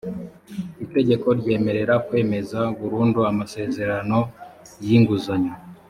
itegeko ryemerera kwemeza burundu amasezerano y’ inguzanyo